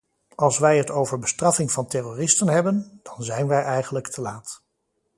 Als wij het over bestraffing van terroristen hebben, dan zij wij eigenlijk te laat.